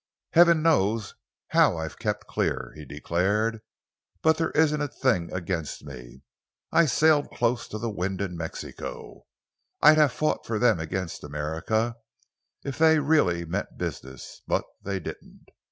"Heaven knows how I've kept clear," he declared, "but there isn't a thing against me. I sailed close to the wind in Mexico. I'd have fought for them against America if they'd really meant business, but they didn't.